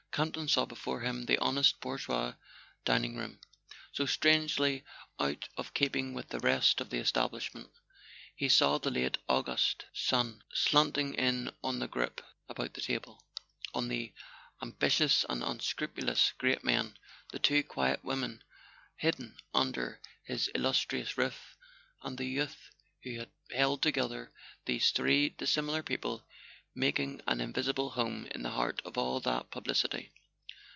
Campton saw before him the honest bourgeois din¬ ing room, so strangely out of keeping with the rest of the establishment; he saw the late August sun slant¬ ing in on the group about the table, on the ambitious and unscrupulous great man, the two quiet women hidden under his illustrious roof, and the youth who had held together these three dissimilar people, making an invisible home in the heart of all that publicity.